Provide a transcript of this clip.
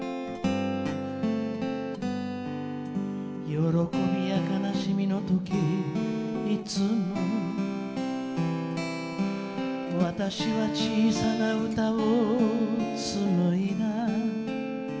「喜びや悲しみの時いつも私は小さな歌を紡いだ」